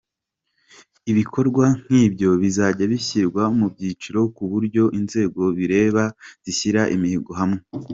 Ibikorwa nk’ ibyo bizajya bishyirwa mu byiciro, ku buryo inzego bireba zisinyira imihigo hamwe.